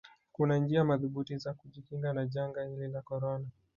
kunanjia madhubuti za kujikinga na janga hili la korona